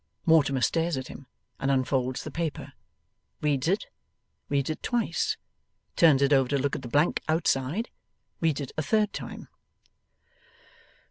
Mortimer stares at him, and unfolds the paper. Reads it, reads it twice, turns it over to look at the blank outside, reads it a third time.